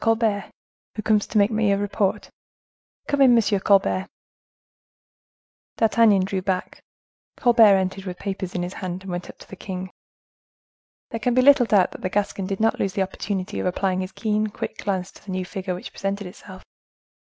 Colbert, who comes to make me a report. Come in, M. Colbert." D'Artagnan drew back. Colbert entered with papers in his hand, and went up to the king. There can be little doubt that the Gascon did not lose the opportunity of applying his keen, quick glance to the new figure which presented itself.